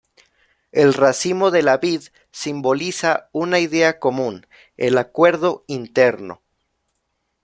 El racimo de la vid simboliza una idea común: el acuerdo interno.